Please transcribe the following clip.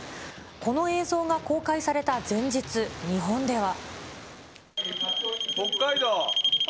この映像が公開された前日、日本では。